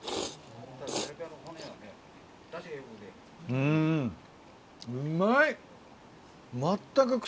うんうまい！